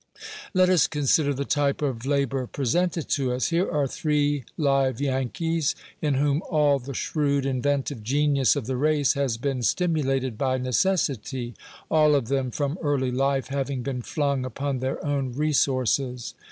Let us consider the type of labor presented to us. Here are three live Yankees, in whom all the shrewd, inventive genius of the race has been stimulated by necessity, all of them, from early life, having been flung upon their own resources.